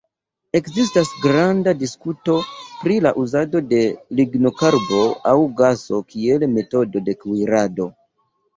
Ekzistas granda diskuto pri la uzado de lignokarbo aŭ gaso kiel metodo de kuirado.